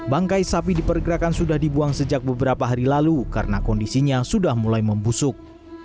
bangkai sapi diperkirakan sudah dibuang sejak beberapa hari lalu karena kondisinya sudah mulai membusuk